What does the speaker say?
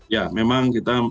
ya memang kita